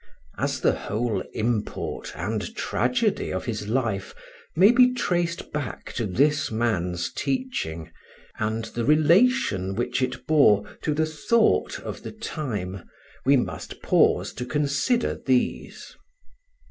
As the whole import and tragedy of his life may be traced back to this man's teaching, and the relation which it bore to the thought of the time, we must pause to consider these.